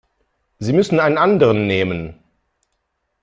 Sie müssen einen anderen nehmen.